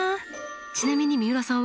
ちなみに三浦さんは？